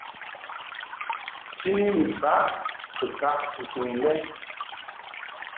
Chini ni baʼ kɨkaʼ susuŋ lɛ.